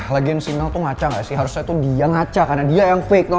lagian si mel tuh ngaca gak sih harusnya tuh dia ngaca karena dia yang fake tau gak